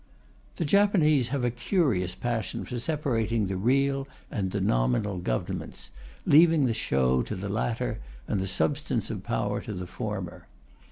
The Japanese have a curious passion for separating the real and the nominal Governments, leaving the show to the latter and the substance of power to the former.